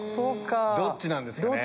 どっちなんですかね。